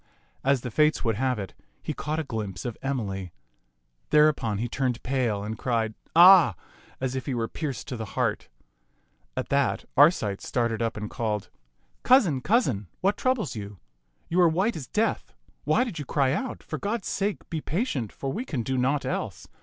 As the Fates would have it, he caught a glimpse of Emily. Thereupon he turned pale and cried " Ah !" as if he were pierced to the heart. At that Arcite started up and called, " Cou sin, cousin, what troubles you ? You are white as death. Why did you cry out? For God's sake, be patient, for we can do naught else.